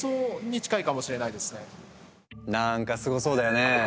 なんかすごそうだよね？